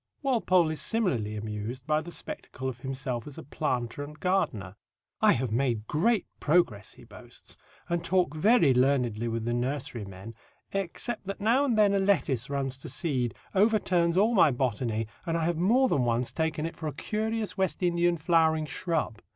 Walpole is similarly amused by the spectacle of himself as a planter and gardener. "I have made great progress," he boasts, "and talk very learnedly with the nursery men, except that now and then a lettuce runs to seed, overturns all my botany, and I have more than once taken it for a curious West Indian flowering shrub.